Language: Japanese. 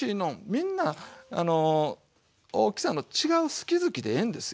みんな大きさの違う好き好きでええんですよ。